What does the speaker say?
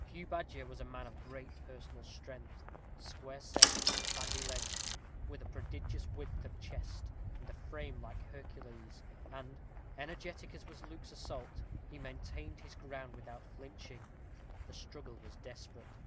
Hugh Badger was a man of great personal strength square set, bandy legged, with a prodigious width of chest, and a frame like a Hercules, and, energetic as was Luke's assault, he maintained his ground without flinching. The struggle was desperate.